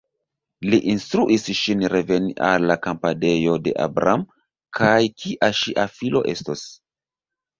Li instruis ŝin reveni al la kampadejo de Abram, kaj kia ŝia filo estos.